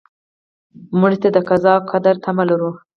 مړه ته د قضا او قدر تمه لرو